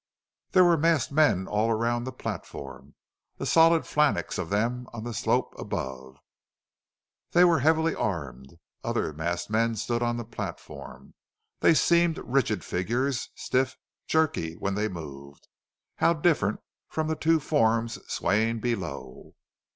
There were masked men all around the platform a solid phalanx of them on the slope above. They were heavily armed. Other masked men stood on the platform. They seemed rigid figures stiff, jerky when they moved. How different from the two forms swaying below!